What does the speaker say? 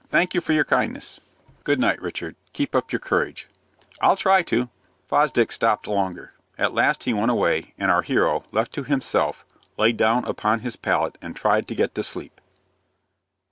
"Thank you for your kindness." "Good night, Richard. Keep up your courage." "I'll try to." Fosdick stopped longer. At last he went away, and our hero, left to himself, lay down upon his pallet and tried to get to sleep.